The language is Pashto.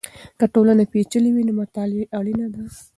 که ټولنه پېچلې وي نو مطالعه یې اړینه ده.